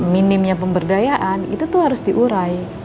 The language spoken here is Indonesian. minimnya pemberdayaan itu tuh harus diurai